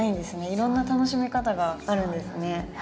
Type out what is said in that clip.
いろんな楽しみ方があるんですね。